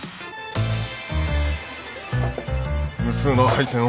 無数の配線を確認。